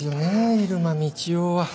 入間みちおは。